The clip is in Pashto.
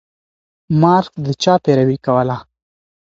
مارکس د چا پيروي کوله؟